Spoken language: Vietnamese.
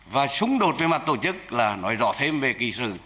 và xung đột về mặt tổ chức là nói rõ thêm về kỹ sử